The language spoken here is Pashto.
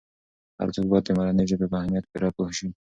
هر څوک باید د مورنۍ ژبې په اهمیت پوره پوه سي.